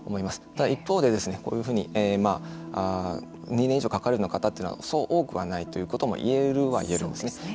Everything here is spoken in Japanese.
ただ一方でこういうふうに２年以上かかる方はそう多くはないということも言えるは言えるんですね。